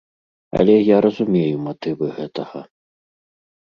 Але я разумею матывы гэтага.